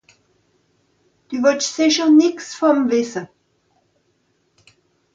Dü wìtt sìcher nìx vùm wìsse ?